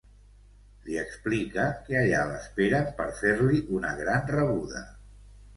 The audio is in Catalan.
Li explica que allà l'esperen per fer-li una gran rebuda.